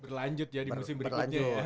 berlanjut ya di musim berikutnya ya